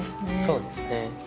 そうですね。